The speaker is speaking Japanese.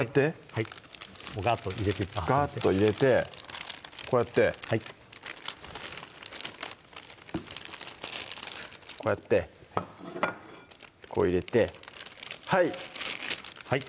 はいガーッと入れてガーッと入れてこうやってこうやってこう入れてはい